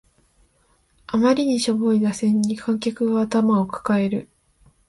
あまりにしょぼい打線に観客が頭を抱える